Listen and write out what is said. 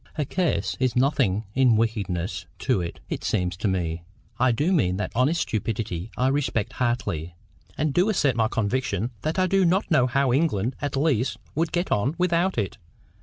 A curse is nothing in wickedness to it, it seems to me. I do mean that honest stupidity I respect heartily, and do assert my conviction that I do not know how England at least would get on without it.